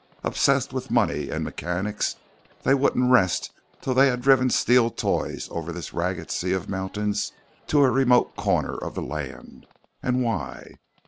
Obsessed with money and mechanics, they wouldn't rest till they had driven steel toys over this ragged sea of mountains to a remote corner of the land. And why?